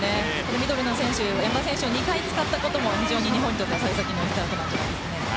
ミドルの選手山田選手を２回使ったことも非常に日本にとっては幸先のいいスタートです。